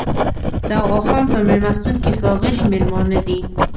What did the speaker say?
د اغاخان په مېلمستون کې ښاغلي مېلمانه دي.